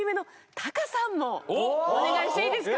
お願いしていいですか？